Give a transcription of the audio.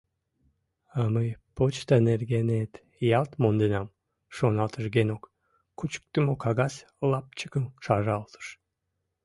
«А мый почта нергенет ялт монденам», — шоналтыш Генок, кучыктымо кагаз лапчыкым шаралтыш.